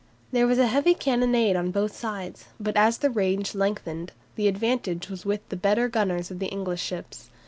There was a heavy cannonade on both sides, but as the range lengthened, the advantage was with the better gunners of the English ships.